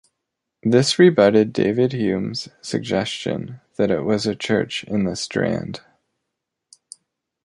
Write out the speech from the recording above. This rebutted David Hume's suggestion that it was a church in the Strand.